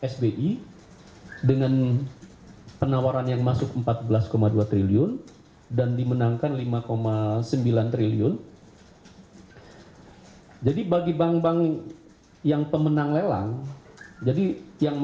sbi dengan penawaran yang masuk rp empat sembilan triliun